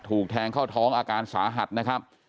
ถูกแทงเข้าท้องอาการสาหัสนะครับ